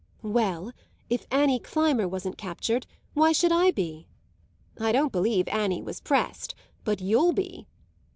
"Well, if Annie Climber wasn't captured why should I be?" "I don't believe Annie was pressed; but you'll be."